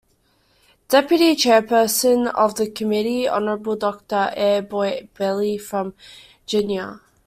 Deputy Chairperson of the Committee Honorable Doctor Aribot Belly from Guinea.